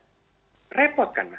saya memahami kesulitan pak andoko